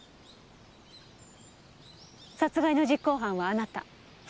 殺害の実行犯はあなた。